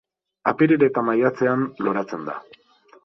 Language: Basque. Apiril eta maiatzean loratzen da.